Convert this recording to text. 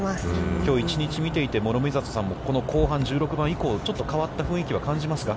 きょう１日見ていて、諸見里さんも、この１６番以降、ちょっと変わった雰囲気は感じますか。